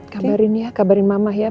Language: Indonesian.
kabarin ya kabarin mamah ya